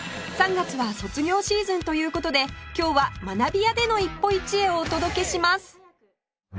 ３月は卒業シーズンという事で今日は学び舎での一歩一会をお届けします